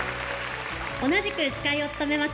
同じく司会を務めます